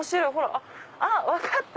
あっ分かった！